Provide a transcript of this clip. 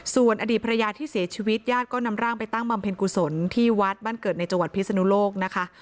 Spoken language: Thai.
ส่วนอดีตภรรยาที่เสียชีวิตญาติก็นำร่างไปตั้งบำเพ็ญกุศลที่วัดบ้านเกิดในจังหวัดพิศนุโลกนะคะ